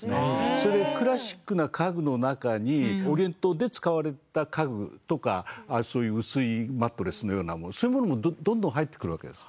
それでクラシックな家具の中にオリエントで使われた家具とかそういう薄いマットレスのようなそういうものもどんどん入ってくるわけです。